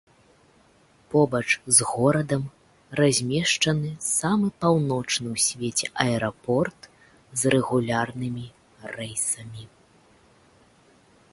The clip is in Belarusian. Побач з горадам размешчаны самы паўночны ў свеце аэрапорт з рэгулярнымі рэйсамі.